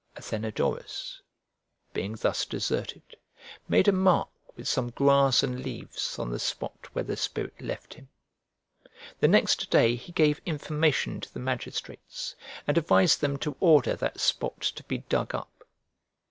Athenodorus, being thus deserted, made a mark with some grass and leaves on the spot where the spirit left him. The next day he gave information to the magistrates, and advised them to order that spot to be dug up.